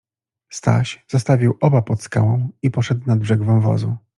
Staś zostawił oba pod skałą i poszedł nad brzeg wąwozu.